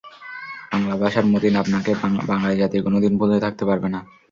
বাংলা ভাষার মতিন, আপনাকে বাঙালি জাতি কোনো দিন ভুলে থাকতে পারবে না।